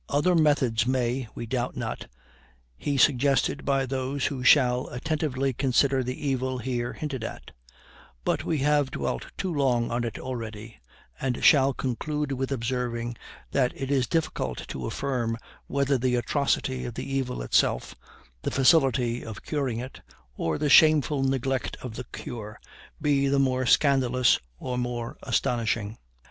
Other methods may, we doubt not, he suggested by those who shall attentively consider the evil here hinted at; but we have dwelt too long on it already, and shall conclude with observing that it is difficult to affirm whether the atrocity of the evil itself, the facility of curing it, or the shameful neglect of the cure, be the more scandalous or more astonishing.